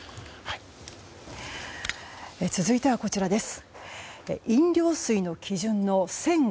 続いては、こちらです。